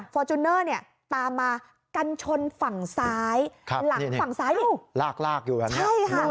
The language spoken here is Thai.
ฟอร์จูเนอร์ตามมากันชนฝั่งซ้ายหลังฝั่งซ้ายลากอยู่แบบนี้